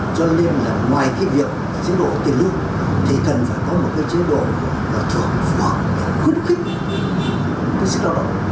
cho nên là ngoài cái việc chế độ tiền lưu thầy cần phải có một cái chế độ là thường phù hợp để hút khích sức lao động